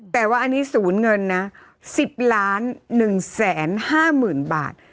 แต่ว่าอันนี้ศูนย์เงินนะ๑๐ล้าน๑แสน๕๐บาท